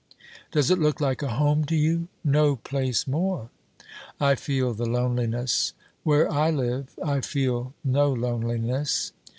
'Does it look like a home to you?' 'No place more!' 'I feel the loneliness.' 'Where I live I feel no loneliness!'